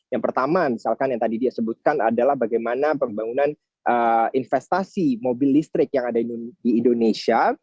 yang pertama misalkan yang tadi dia sebutkan adalah bagaimana pembangunan investasi mobil listrik yang ada di indonesia